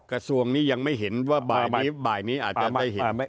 กระทรวงนี้ยังไม่เห็นว่าบ่ายนี้บ่ายนี้อาจจะไม่เห็น